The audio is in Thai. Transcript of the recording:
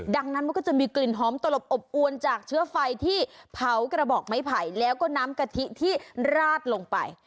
ดังนั้นมันก็จะมีกลิ่นหอมตลบอบอวนจากเชื้อไฟที่เผากระบอกไม้ไผ่แล้วก็น้ำกะทิที่ราดลงไป